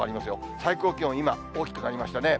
最高気温、今、大きく変わりましたね。